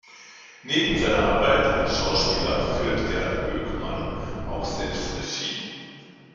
Neben seiner Arbeit als Schauspieler führt Gerd Böckmann auch selbst Regie.